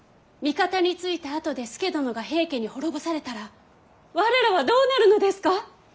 味方についたあとで佐殿が平家に滅ぼされたら我らはどうなるのですか。